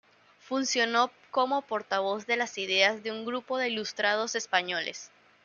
Funcionó como portavoz de las ideas de un grupo de ilustrados españoles.